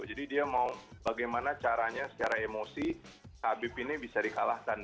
jadi dia mau bagaimana caranya secara emosi khabib ini bisa dikalahkan